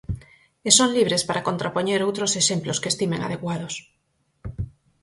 E son libres para contrapoñer outros exemplos que estimen adecuados.